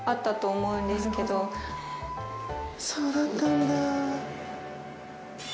そうだったんだ。